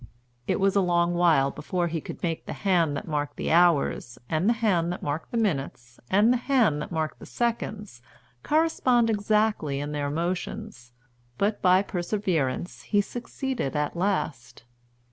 It was a long while before he could make the hand that marked the hours, and the hand that marked the minutes, and the hand that marked the seconds, correspond exactly in their motions; but by perseverance he succeeded at last.